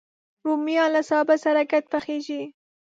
رومیان له سابه سره ګډ پخېږي